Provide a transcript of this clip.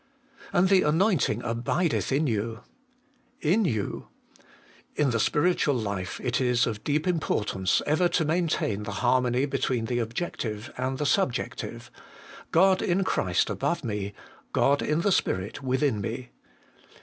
3. ' And the anointing dbideth in you.' ' In you. f In the spiritual life it is of deep importance ever to maintain the harmony between the objective and the subjective : God in Christ above me, God in the Spirit within me.